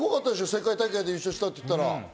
世界大会で優勝したって言ったら。